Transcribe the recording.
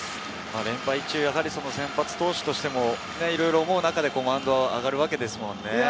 連敗中、先発投手としてもいろいろ思う中でマウンドに上がるわけですもんね。